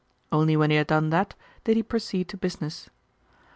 Only when he had done that did he proceed to business.